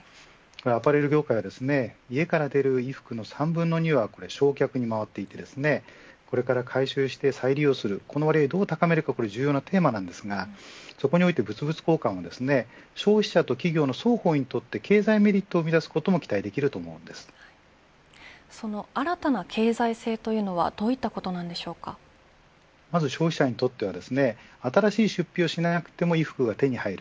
アパレル業界は家から出る衣服の３分の２は焼却に回っていてこれから回収して再利用するこれをどれぐらい高めるかが重要ですがそこにおいて物々交換も消費者と企業の双方にとって経済メリットを生み出すこともその新たな経済性というのはまず消費者にとっては新しい出費をしなくても衣服が手に入る、